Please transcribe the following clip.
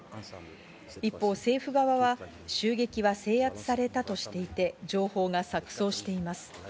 一方、政府側は襲撃は制圧されたとしていて、情報が錯綜しています。